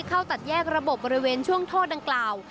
เข้าตัดแยกระบบบริเวณช่วงโทษดังกล่าว